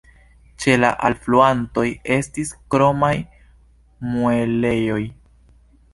Ĉe la alfluantoj estis kromaj muelejoj.